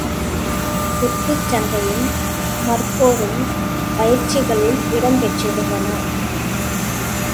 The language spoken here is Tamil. குத்துச் சண்டையும் மற்போரும் பயிற்சிகளில் இடம் பெற்றிருந்தன.